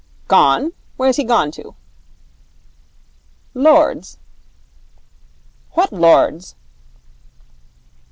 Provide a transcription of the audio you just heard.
'Gone! Where's he gone to?' 'Lord's.' 'What lord's?'